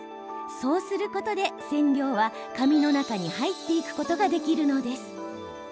そうすることで染料は髪の中に入っていくことができるのです。